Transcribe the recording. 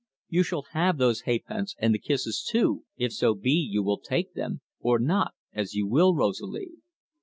You shall have those ha'pence, and the kisses too, if so be you will take them or not, as you will, Rosalie."